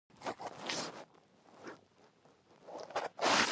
هغه د پښتو ادبي غورځنګ ملاتړ کړی.